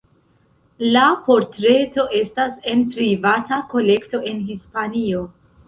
La portreto estas en privata kolekto en Hispanio.